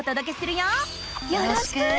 よろしく！